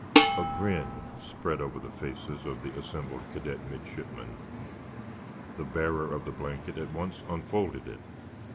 A grin spread over the faces of the assembled cadet midshipmen. The bearer of the blanket at once unfolded it.